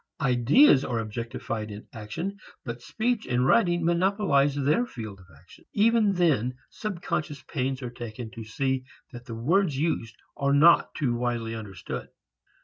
Ideas are objectified in action but speech and writing monopolize their field of action. Even then subconscious pains are taken to see that the words used are not too widely understood.